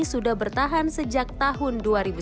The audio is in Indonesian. sudah bertahan sejak tahun dua ribu sebelas